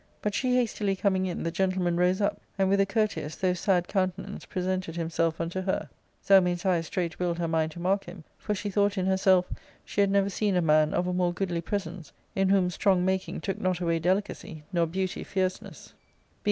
But she hastily coming in, the gentleman rose up, and, with a courteous, though sad countenance, pre sented himself unto her. Zelmane's eyes straight willed her mind to mark him, for she thought in herself she had never I seen a man of a more goodly presence, in whom strong ' i making took not away delicacy, nor beauty fierceness ; being ^